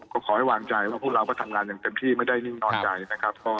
ก็ขอให้วางใจว่าพวกเราก็ทำงานอย่างเต็มที่ไม่ได้นิ่งนอนใจนะครับ